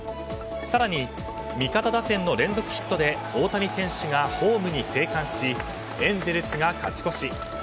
更に、味方打線の連続ヒットで大谷選手がホームに生還しエンゼルスが勝ち越し。